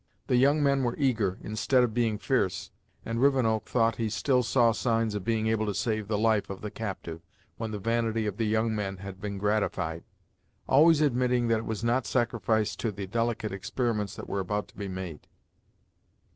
The young men were eager, instead of being fierce, and Rivenoak thought he still saw signs of being able to save the life of the captive when the vanity of the young men had been gratified; always admitting that it was not sacrificed to the delicate experiments that were about to be made.